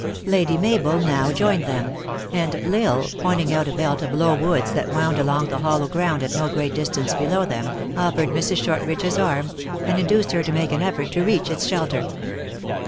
Lady Mabel now joined them ; and L Isle, pointing out a belt of low woods that wound along the hollow ground at no great distance below them, offered Mrs. Shortridge his arm, and induced her to make an effort to reach its shelter.